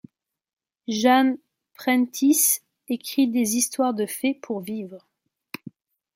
Jan Prentiss écrit des histoires de fées pour vivre.